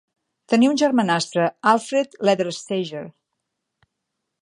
Tenia un germanastre, Alfred Ledersteger.